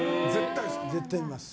絶対見ます。